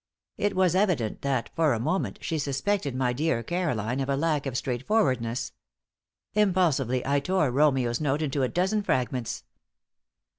It was evident that, for a moment, she suspected my dear Caroline of a lack of straight forwardness. Impulsively I tore Romeo's note into a dozen fragments.